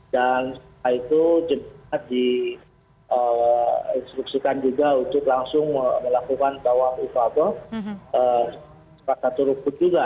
dan setelah itu jemaat diinstruksikan juga untuk langsung melakukan tawaf ufakoh